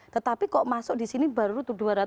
tetapi kok masuk disini baru dua ratus tujuh puluh lima